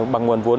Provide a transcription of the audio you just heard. bằng nguồn vốn